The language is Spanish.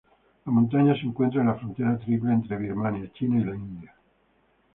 La montaña se encuentra en la frontera triple entre Birmania, China y la India.